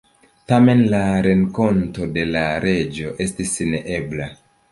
Tamen, la renkonto de la reĝo estis neebla.